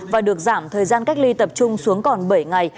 và được giảm thời gian cách ly tập trung xuống còn bảy ngày